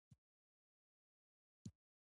د انسانانو ډېروالي د افرادو ترمنځ